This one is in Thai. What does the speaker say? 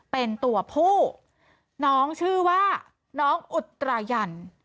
เป็นตัวผู้น้องชื่อว่าน้องอุตรายัน